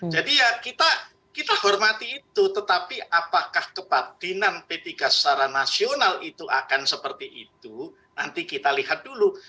jadi ya kita hormati itu tetapi apakah kebatinan p tiga secara nasional itu akan seperti itu nanti kita lihat dulu